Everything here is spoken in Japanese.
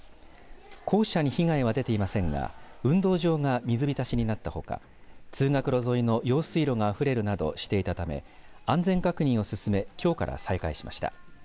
校舎に被害は出ていませんが運動場が水浸しになったほか通学路沿いの用水路があふれるなどしていたため安全確認を進めきょうから再開しました。